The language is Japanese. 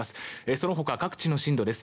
その他、各地の震度です。